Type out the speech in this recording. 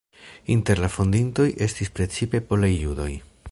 Inter la fondintoj estis precipe polaj judoj.